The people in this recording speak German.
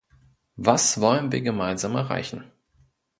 Was wollen wir gemeinsam erreichen?